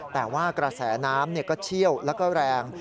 แต่ว่ากระแสน้ำก็เชี่ยวแล้วก็แรง